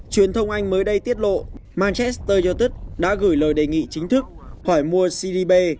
chuyên thông anh mới đây tiết lộ manchester united đã gửi lời đề nghị chính thức khỏi mua cdb